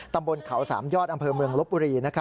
ตำบลเขาสามยอดอำเภอเมืองลบบุรี